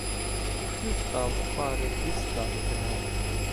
В хлюста, в пари, в візка іграли